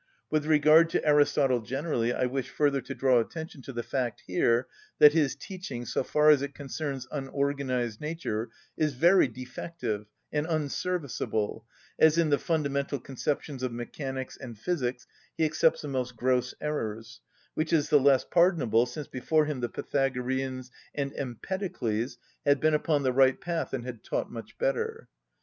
With regard to Aristotle generally, I wish further to draw attention to the fact here, that his teaching, so far as it concerns unorganised nature, is very defective and unserviceable, as in the fundamental conceptions of mechanics and physics he accepts the most gross errors, which is the less pardonable, since before him the Pythagoreans and Empedocles had been upon the right path and had taught much better.